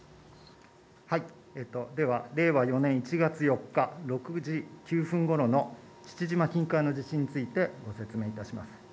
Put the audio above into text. では令和４年１月４日６時９分ごろの父島近海の地震について、ご説明いたします。